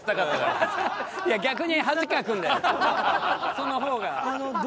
その方が。